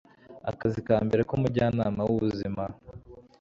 akazi ka mbere k'umujyanama w'ubuzima